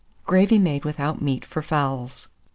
GRAVY MADE WITHOUT MEAT FOR FOWLS.